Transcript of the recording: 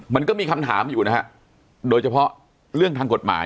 มันก็มีคำถามอยู่นะฮะโดยเฉพาะเรื่องทางกฎหมาย